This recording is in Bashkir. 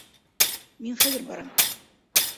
Мин хәҙер барам.